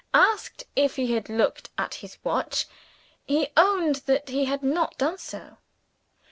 Asked if he had looked at his watch, he owned that he had not done so.